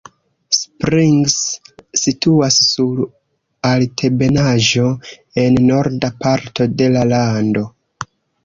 Springs situas sur altebenaĵo en norda parto de la lando.